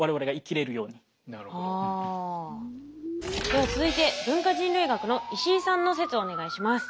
では続いて文化人類学の石井さんの説をお願いします。